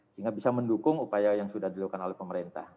sehingga bisa mendukung upaya yang sudah dilakukan oleh pemerintah